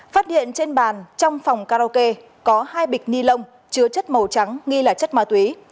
phát hiện trên bàn trong phòng karaoke có hai bịch ni lông chứa chất màu trắng nghi là chất ma túy